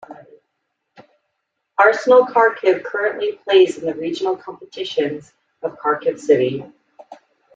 Arsenal Kharkiv currently plays in the regional competitions of Kharkiv city.